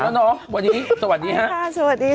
ทุกคนก็จะแยกตัวคนละมุม